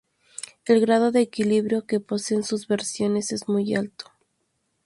El grado de equilibrio que poseen sus versiones es muy alto.